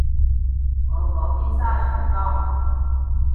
我嗰邊沙場多